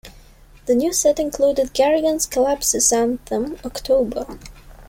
The new set included Garrigan's Collapsis anthem, October.